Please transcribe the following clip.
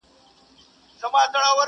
چي اوس دي هم په سترګو کي پیالې لرې که نه.